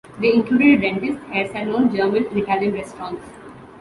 They include a dentist, hair salon, German and Italian restaurants.